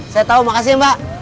saya tau makasih ya mbak